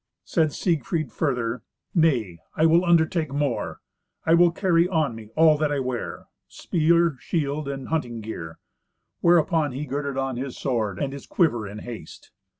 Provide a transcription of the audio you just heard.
Said Siegfried further, "Nay, I will undertake more. I will carry on me all that I wear—spear, shield, and hunting gear." Whereupon he girded on his sword and his quiver in haste.